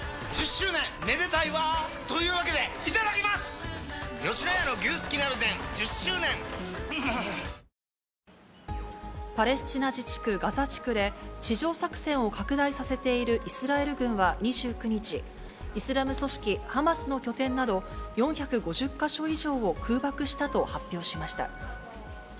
「ロキソニンＳプレミアムファイン」ピンポーンパレスチナ自治区ガザ地区で、地上作戦を拡大させているイスラエル軍は２９日、イスラム組織ハマスの拠点など４５０か所以上を空爆したと発表しました。